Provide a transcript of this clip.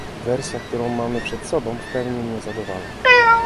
Wersja, którą mamy przed sobą, w pełni mnie zadowala